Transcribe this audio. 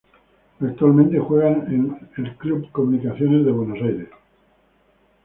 Actualmente juega en Club Comunicaciones de Buenos Aires